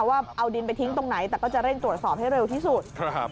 ว่าเอาดินไปทิ้งตรงไหนแต่ก็จะเร่งตรวจสอบให้เร็วที่สุด